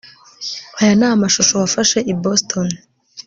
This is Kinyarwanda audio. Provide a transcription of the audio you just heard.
aya ni aya mashusho wafashe i boston